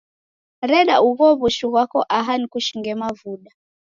Reda ugho w'ushu ghwako aha nikushinge mavuda